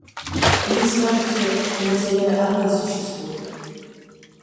Или скажете, что материя одна существует?